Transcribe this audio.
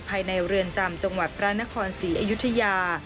ภายในเรือนจำจังหวัดพระนครศรีอยุธยา